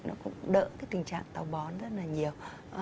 nó cũng đỡ cái tình trạng tàu bón rất là nhiều